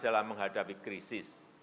dalam menghadapi krisis